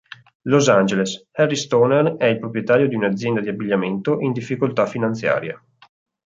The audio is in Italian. Los Angeles: Harry Stoner è il proprietario di un'azienda di abbigliamento in difficoltà finanziarie.